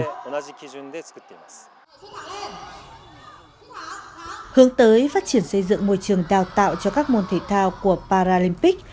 hướng tới phát triển xây dựng môi trường đào tạo cho các môn thể thao của paralympic